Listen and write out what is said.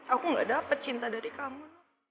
aku gak dapat cinta dari kamu